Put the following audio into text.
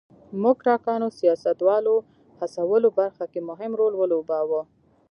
موکراکانو سیاستوالو هڅولو برخه کې مهم رول ولوباوه.